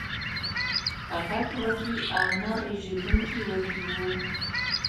غټ وږي او نه رژېدونکي وږي وو